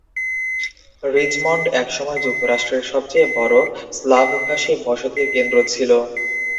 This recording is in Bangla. রিচমন্ড একসময় যুক্তরাষ্ট্রের সবচেয়ে বড় স্লাভভাষী বসতির কেন্দ্র ছিল।